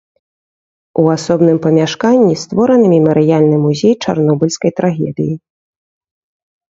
У асобным памяшканні створаны мемарыяльны музей чарнобыльскай трагедыі.